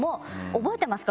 覚えてますか？